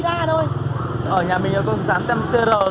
ở nhà mình có sản tem cr chứ cháu có dòng sản tem cr mà